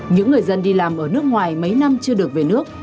những người dân đi làm ở nước ngoài mấy năm chưa được về nước